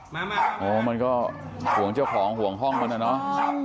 มามามาโอ้มันก็ห่วงเจ้าของห่วงห้องมันอ่ะเนอะอ๋อ